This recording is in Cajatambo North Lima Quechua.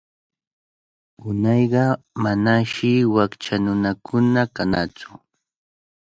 Unayqa manashi wakcha nunakuna kanaqtsu.